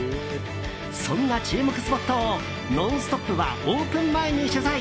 そんな注目スポットを「ノンストップ！」はオープン前に取材！